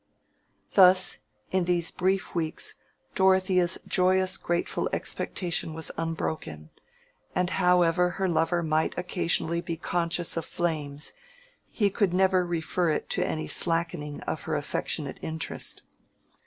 Thus in these brief weeks Dorothea's joyous grateful expectation was unbroken, and however her lover might occasionally be conscious of flatness, he could never refer it to any slackening of her affectionate interest.